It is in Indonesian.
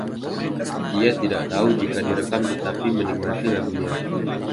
Ia tidak tahu jika direkam tetapi ia menikmati lagunya.